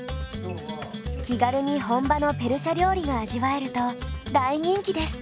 気軽に本場のペルシャ料理が味わえると大人気です。